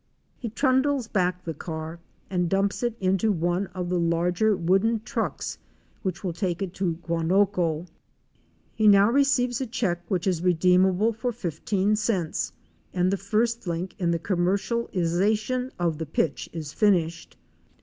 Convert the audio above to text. He trundles back the car and dumps it into one of the larger wooden trucks which will take it to Guanoco. He now receives a check which is redeemable for fifteen cents and the first link in the commercialization of the pitch is finished.